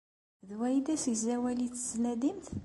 D wa i d asegzawal i tettnadimt?